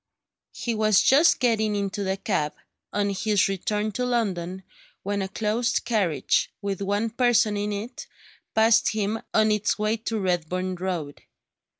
He was just getting into the cab, on his return to London, when a closed carriage, with one person in it, passed him on its way to Redburn Road.